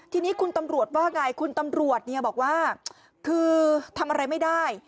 ทีนี้คุณตำรวจว่าไงคุณตำรวจเนี่ยบอกว่าคือทำอะไรไม่ได้